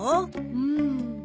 うん。